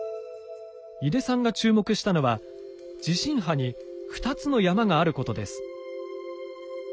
井出さんが注目したのは地震波に２つの山があることです。